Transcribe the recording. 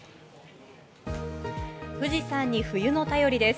富士山に冬の便りです。